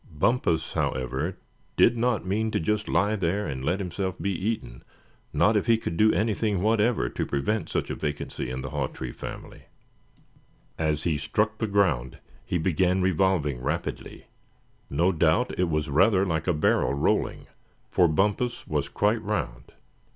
Bumpus, however, did not mean to just lie there, and let himself be eaten, not if he could do anything whatever to prevent such a vacancy in the Hawtree family. As he struck the ground he began revolving rapidly. No doubt it was rather like a barrel rolling, for Bumpus was quite round.